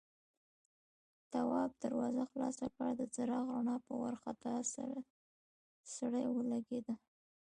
تواب دروازه خلاصه کړه، د څراغ رڼا په وارخطا سړي ولګېده.